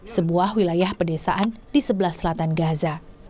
sebuah wilayah pedesaan di sebelah selatan gaza